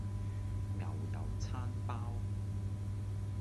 牛油餐包